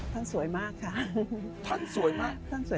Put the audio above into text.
ท่านสวยมากค่ะท่านสวยมากท่านสวยมาก